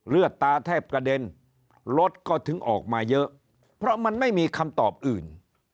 เลือดตาแทบกระเด็นรถก็ถึงออกมาเยอะเพราะมันไม่มีคำตอบอื่น